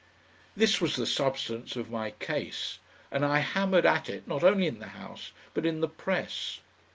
This was the substance of my case, and I hammered at it not only in the House, but in the press....